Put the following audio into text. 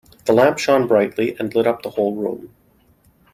The lamp shone brightly and lit up the whole room.